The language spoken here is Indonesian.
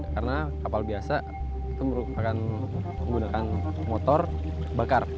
karena kapal biasa akan menggunakan motor bakar